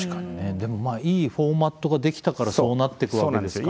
でもまあいいフォーマットが出来たからそうなってくわけですからね。